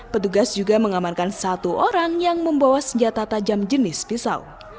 petugas juga mengamankan satu orang yang membawa senjata tajam jenis pisau